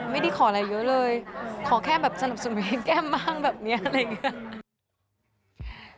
ไม่ได้ขออะไรเยอะเลยขอแค่แบบสนับสนุนเพลงแก้มบ้างแบบนี้อะไรอย่างนี้